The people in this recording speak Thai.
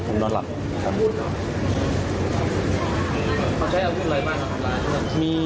ผมนอนหลับครับ